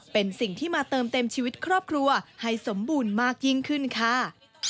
เป็นสิ่งที่มาเติมเต็มชีวิตครอบครัวให้สมบูรณ์มากยิ่งขึ้นค่ะ